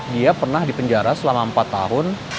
dia pernah dipenjara selama empat tahun